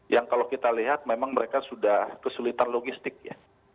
yang kalau kita lihat memang mereka sudah kesulitan logistik ya